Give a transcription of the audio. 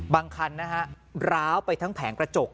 บางคันร้าวไปทั้งแผงกระจก